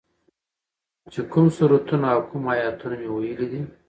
چې کوم سورتونه او کوم ايتونه مې ويلي دي.